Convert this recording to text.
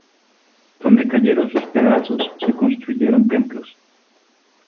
Donde cayeron sus pedazos se construyeron templos.